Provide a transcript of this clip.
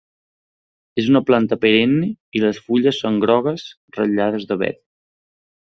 És una planta perenne i les fulles són grogues ratllades de verd.